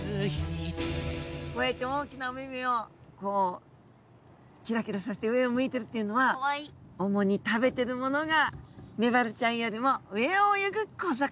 こうやって大きなお目々をこうキラキラさせて上を向いてるっていうのは主に食べてるものがメバルちゃんよりも上を泳ぐ小魚。